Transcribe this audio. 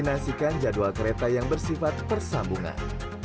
dengan mengombinasikan jadwal kereta yang bersifat persambungan